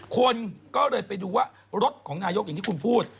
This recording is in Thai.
คนก็เลยไปดูว่ารถของนายกอย่างที่คุณพูด